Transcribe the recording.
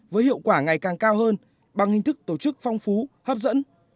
với hiệu quả ngày càng cao hơn bằng hình thức tổ chức phong phú hấp dẫn